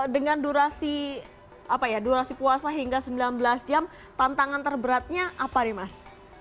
dengan durasi puasa hingga sembilan belas jam tantangan terberatnya apa nih mas